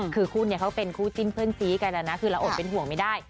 คือคู่นี้เขาเป็นคู่จิ้นเพื่อนซี้กันนะคือละอดเป็นห่วงไม่ได้